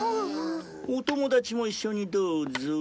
お友達も一緒にどうぞ。